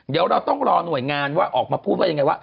เดี๋ยวเราต้องรอหน่วยงานว่าออกมาพูดว่ายังไงว่า